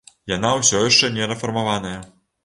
Яна ўсё яшчэ не рэфармаваная.